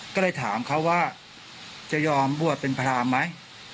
ก็เลยถามเขาว่าจะยอมบวชเป็นพรามไหม